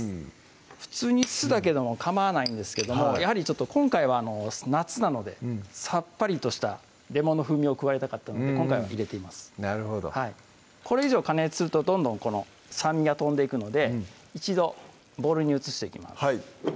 普通に酢だけでもかまわないんですけどもやはり今回は夏なのでさっぱりとしたレモンの風味を加えたかったので今回は入れていますなるほどこれ以上加熱するとどんどん酸味が飛んでいくので一度ボウルに移していきます